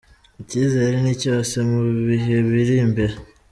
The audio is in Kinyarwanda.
Icyizere ni cyose mu bihe biri imbere.